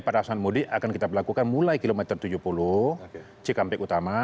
pada saat mudik akan kita melakukan mulai kilometer tujuh puluh ckmp utama